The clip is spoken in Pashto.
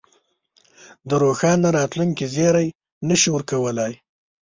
د روښانه راتلونکې زېری نه شي ورکولای.